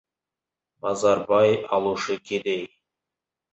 Базар — бай, алушы — кедей.